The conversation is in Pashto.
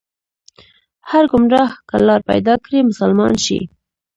هر ګمراه که لار پيدا کړي، مسلمان شي